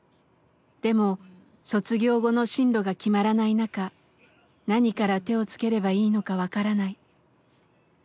でも卒業後の進路が決まらない中何から手を付ければいいのか分からない。